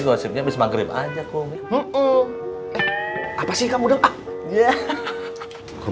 gosipnya bis maghrib aja kum apa sih kamu udah ya